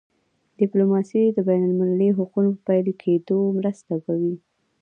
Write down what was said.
ډیپلوماسي د بینالمللي حقوقو په پلي کېدو کي مرسته کوي.